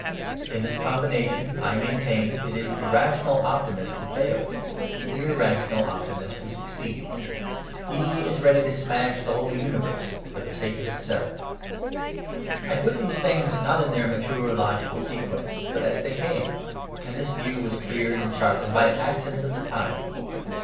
In this combination, I maintain, it is the rational optimist who fails, the irrational optimist who succeeds. He is ready to smash the whole universe for the sake of itself. I put these things not in their mature logical sequence, but as they came: and this view was cleared and sharpened by an accident of the time.